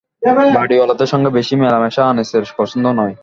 বাড়িঅলাদের সঙ্গে বেশি মেলামেশা আনিসের পছন্দ নয়।